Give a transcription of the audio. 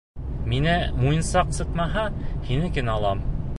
Миңә муйынсаҡ сыҡмаһа, һинекен алам!